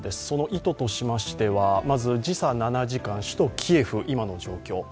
その意図としましてはまず時差７時間、首都キエフの今の状況。